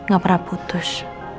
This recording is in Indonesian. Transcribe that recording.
gak pernah putus